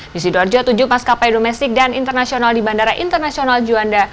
di sidoarjo tujuh maskapai domestik dan internasional di bandara internasional juanda